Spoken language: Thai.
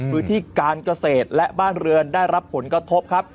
พื้นที่การเกษตรและบ้านเรือนได้รับผลกระทบครับ